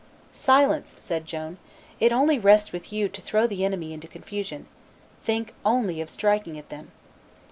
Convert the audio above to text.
"Silence," said Joan; "it only rests with you to throw the enemy into confusion; think only of striking at them."